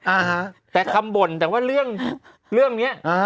อ่าฮะแต่คำบ่นแต่ว่าเรื่องเรื่องเนี้ยอ่า